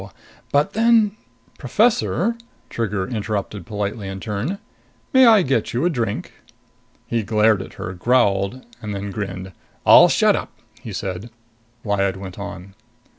But then " "Professor," Trigger interrupted politely in turn, "may I get you a drink?" He glared at her, growled, then grinned. "I'll shut up," he said. Lyad went on.